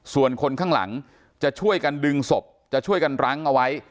ส่วนคนข้างหลังจะช่วยกันดึงศพจะช่วยกันรั้งเอาไว้